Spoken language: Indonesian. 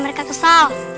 mereka takut sama warga itu